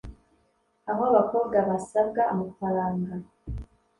aho abakobwa basabwa amafaranga